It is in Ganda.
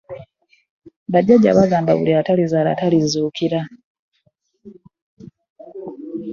Ba jjajja bagamba buli atalizaala talizuukira.